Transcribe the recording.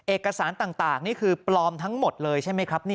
เอกสารต่างนี่คือปลอมทั้งหมดเลยใช่ไหมครับ